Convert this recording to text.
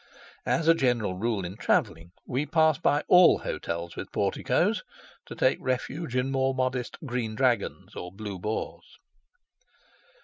As a general rule in travelling, we pass by all hotels with porticoes to take refuge in more modest Green Dragons or Blue Boars.